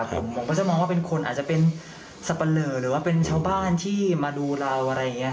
ผมก็จะมองว่าเป็นคนอาจจะเป็นสับปะเลอหรือว่าเป็นชาวบ้านที่มาดูเราอะไรอย่างนี้